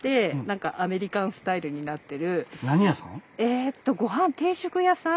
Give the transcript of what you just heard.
えっとごはん定食屋さん。